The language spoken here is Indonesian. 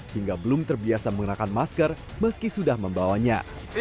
hingga belum terbiasa menggunakan masker meski sudah membawanya